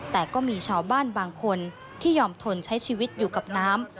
แต่ก็มีชาวบ้านบางคนที่ยอมทนใช้ชีวิตอยู่กับน้ำ